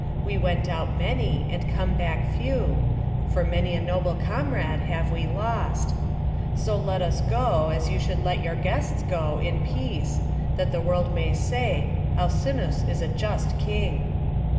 We went out many, and come back few, for many a noble comrade have we lost. So let us go, as you should let your guests go, in peace; that the world may say, 'Alcinous is a just king.'"